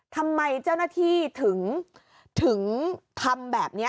ทำไมเจ้าหน้าที่ถึงทำแบบนี้